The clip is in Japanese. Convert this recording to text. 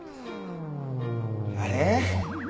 あれ？